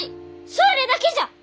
それだけじゃ！